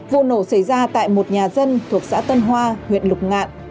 vụ nổ xảy ra tại một nhà dân thuộc xã tân hoa huyện lục ngạn